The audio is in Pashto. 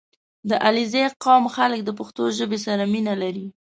• د علیزي قوم خلک د پښتو ژبې سره مینه لري.